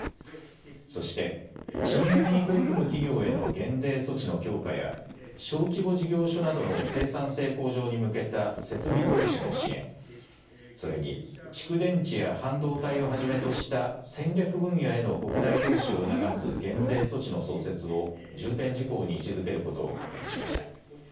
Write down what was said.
そして賃上げに取り組む企業への減税措置の強化や小規模事業所などの生産性向上に向けた設備投資の支援、それに蓄電池や半導体をはじめとした戦略分野への国内投資を促す減税措置の創設を重点事項に位置づけることを確認しました。